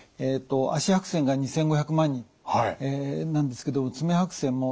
足白癬が２，５００万人なんですけど爪白癬も１，０００万